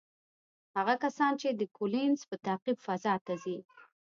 هغه کسان چې د کولینز په تعقیب فضا ته ځي،